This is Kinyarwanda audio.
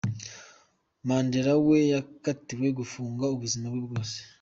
Mandela we yakatiwe gufungwa ubuzima bwe bwose .